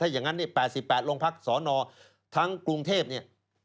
อย่างนั้นเนี่ย๘๘โรงพักสนทั้งกรุงเทพเนี่ย